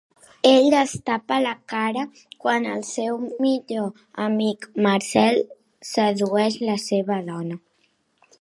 Ell es tapa la cara quan el seu millor amic, Marcel, sedueix la seva dona.